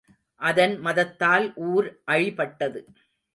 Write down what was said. அதன் மதத்தால் ஊர் அழிபட்டது.